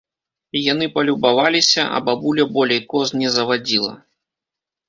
Яны палюбаваліся, а бабуля болей коз не завадзіла.